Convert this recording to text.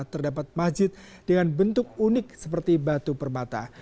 terdapat masjid dengan bentuk unik seperti batu permata